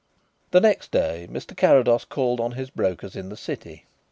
The next day Mr. Carrados called on his brokers in the city.